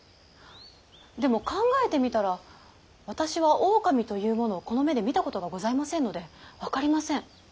でも考えてみたら私は狼というものをこの目で見たことがございませんので分かりません。